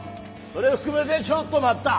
それ含めてちょっと待った！